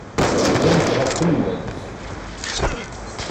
Ddant ɣer tenwalt.